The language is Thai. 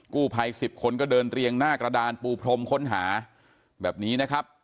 กู้ภัย๑๐คนก็เดินเรียงหน้ากระดานปูพรมค้นหาแบบนี้นะครับ